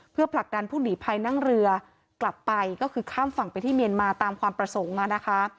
เพื่อผลักดันผู้หนีภัยนั่งเรือกลับไปก็คือข้ามฝั่งไปที่เมียนมาตามความประสงค์นะคะ